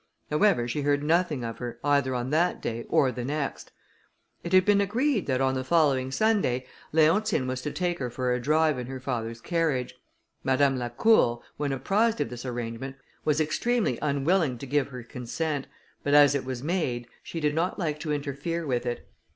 However, she heard nothing of her, either on that day or the next. It had been agreed that, on the following Sunday, Leontine was to take her for a drive in her father's carriage. Madame Lacour, when apprized of this arrangement, was extremely unwilling to give her consent, but as it was made, she did not like to interfere with it.